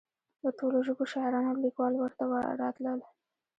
د ټولو ژبو شاعران او لیکوال ورته راتلل.